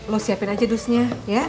lo siapin aja dusnya ya